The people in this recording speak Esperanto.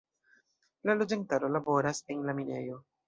La loĝantaro laboras en la minejo.